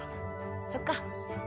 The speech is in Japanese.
そっか。